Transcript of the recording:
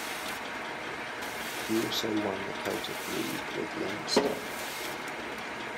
He also won the Celtic League with Leinster.